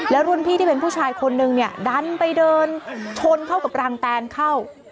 แล้วรุ่นพี่ที่เป็นผู้ชายคนนึงเนี่ยดันไปเดินชนเข้ากับรังแตนเข้า